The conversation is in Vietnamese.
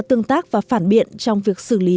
tương tác và phản biện trong việc xử lý